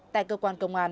tại cơ quan công an